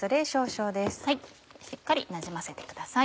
しっかりなじませてください。